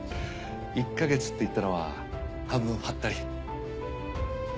１か月って言ったのは半分ハッタリ。